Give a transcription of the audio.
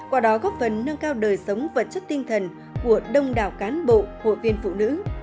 quả đó góp phấn nâng cao đời sống vật chất tinh thần của đông đảo cán bộ hội liên phụ nữ